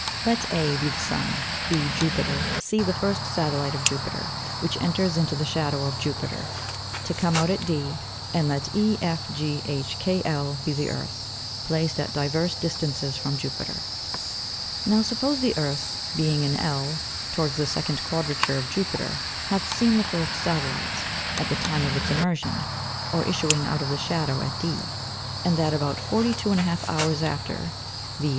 Let (in Fig. 3. Plate 3.) A be the Sun, B Jupiter, C the first Satellit of Jupiter, which enters into the shadow of Jupiter, to come out at D, and let EFGHKL be the Earth, placed at divers distances from Jupiter. Now suppose the Earth, being in L, towards the second Quadrature of Jupiter, hath seen the first Satellit, at the time of its emersion, or issuing out of the shadow at D, and that about 42½ Hours after (_viz.